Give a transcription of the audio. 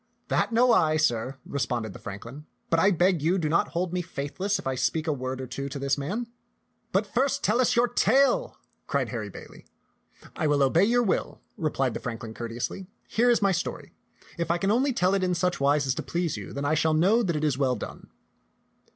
"That know I, sir," responded the franklin, "but I beg you do not hold me faithless if I speak a word or two to this man." i86 t^t panUm's tak " But first tell us your tale," cried Harry Bailey. " I obey your will," replied the franklin courteously. " Here is my story. If I can only tell it in such wise as to please you, then I shall know that it is well done."